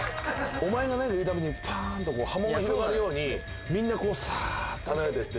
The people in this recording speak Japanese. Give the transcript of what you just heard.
お前が何か言うたびにぱーんと波紋が広がるようにみんなさーっと離れてって。